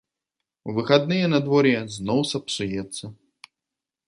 У выхадныя надвор'е зноў сапсуецца.